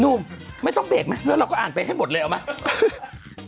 หนุ่มไม่ต้องเบรกไหมแล้วเราก็อ่านไปให้หมดเลยเอาไหม